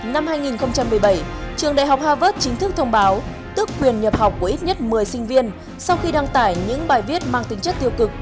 năm hai nghìn một mươi bảy trường đại học harvard chính thức thông báo tức quyền nhập học của ít nhất một mươi sinh viên sau khi đăng tải những bài viết mang tính chất tiêu cực